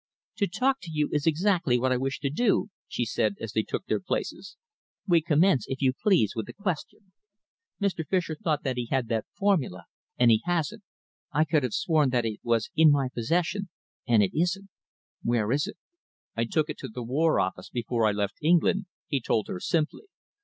"To talk to you is exactly what I wish to do," she said, as they took their places. "We commence, if you please, with a question. Mr. Fischer thought that he had that formula and he hasn't. I could have sworn that it was in my possession and it isn't. Where is it?" "I took it to the War Office before I left England," he told her simply.